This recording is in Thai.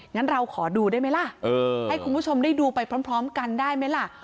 งั้นเราขอดูได้ไหมล่ะให้คุณผู้ชมได้ดูไปพร้อมกันได้ไหมล่ะ